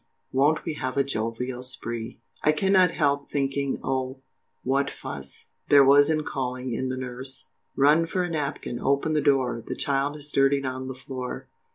Wont we have a jovial spree. I cannot help thinking, oh, what fuss There was in calling in the nurse, Run for a napkin, open the door, The child has dirtied on the floor.